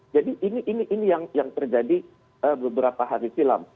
jadi ini yang terjadi beberapa hari silam